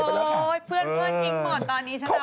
เพื่อนกิ๊กหมดตอนนี้ชนะหมด